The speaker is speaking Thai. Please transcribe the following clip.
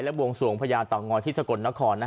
และวงสวงภญาตาวนอเนยที่สกลทคร